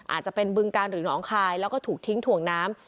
อาจจะเป็นบึงการหรือน้องคายแล้วก็ถูกทิ้งถ่วงน้ำ